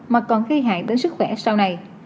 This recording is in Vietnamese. mà còn gây hại đến sức khỏe sau này